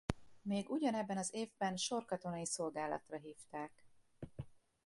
Még ugyan ebben az évben sorkatonai szolgálatra hívták.